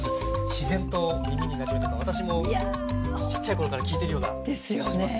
自然と耳になじむというか私もちっちゃい頃から聞いてるような気がしますね。